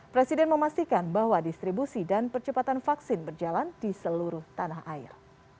presiden memastikan bahwa distribusi dan percepatan vaksin berjalan di seluruh tanah air